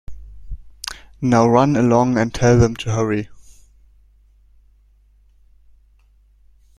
Now run along, and tell them to hurry.